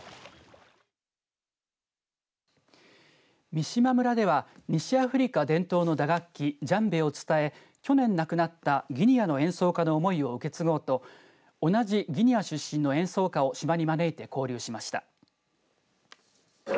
三島村では西アフリカ伝統の打楽器ジャンベを伝え去年亡くなったギニアの演奏家の思いを受け継ごうと同じギニア出身の演奏家を島に招いて交流しました。